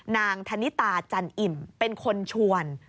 นางธนิตาจันอิ่มเป็นคนชวน